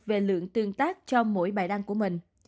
về lượng tương tác cho mỗi bài đăng của mình